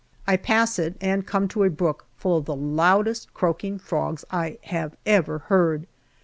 I pass it and come to a brook full of the loudest croaking frogs I have ever heard.